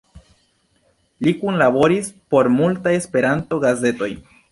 Li kunlaboris por multaj Esperanto-gazetoj.